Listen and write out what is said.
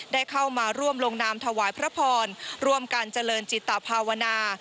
ได้เข้ามาร่วมลงนามถวายพระพรร่วมกันเจริญจิตภาวนา